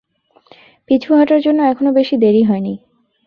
পিছু হটার জন্য এখনো বেশি দেরি হয়নি।